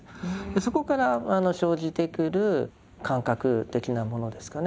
そこから生じてくる感覚的なものですかね